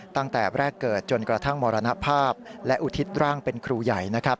ตั้งแต่แรกเกิดจนกระทั่งมรณภาพและอุทิศร่างเป็นครูใหญ่นะครับ